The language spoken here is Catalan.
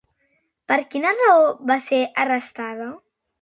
Per quina raó va ser arrestada?